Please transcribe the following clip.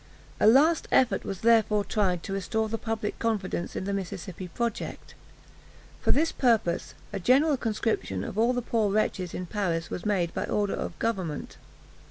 A last effort was therefore tried to restore the public confidence in the Mississippi project. For this purpose, a general conscription of all the poor wretches in Paris was made by order of government.